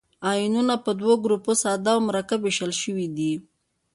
آیونونه په دوه ګروپو ساده او مرکب ویشل شوي دي.